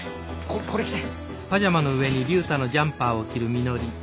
これ着て！